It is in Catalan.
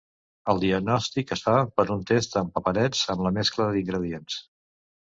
El diagnòstic es fa per un test amb paperets amb la mescla d'ingredients.